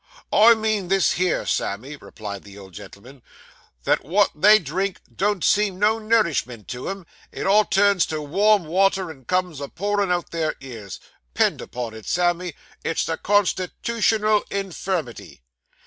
'I mean this here, Sammy,' replied the old gentleman, 'that wot they drink, don't seem no nourishment to 'em; it all turns to warm water, and comes a pourin' out o' their eyes. 'Pend upon it, Sammy, it's a constitootional infirmity.